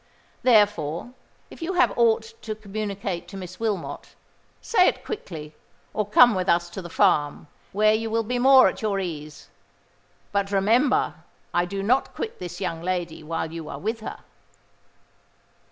Therefore, if you have aught to communicate to Miss Wilmot, say it quickly—or come with us to the farm, where you will be more at your ease: but, remember, I do not quit this young lady while you are with her."